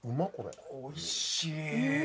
おいしい。